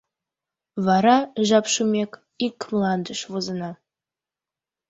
Вара, жап шумек, ик мландыш возына.